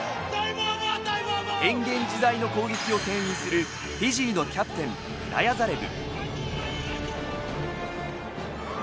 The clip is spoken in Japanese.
変幻自在の攻撃をけん引するフィジーのキャプテンナヤザレブ。